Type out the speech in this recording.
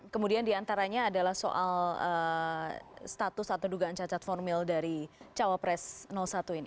kemudian diantaranya adalah soal status atau dugaan cacat formil dari cawapres satu ini